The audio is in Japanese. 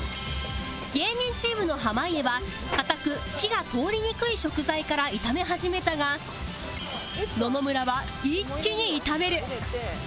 芸人チームの濱家は硬く火が通りにくい食材から炒め始めたが野々村は一気に炒める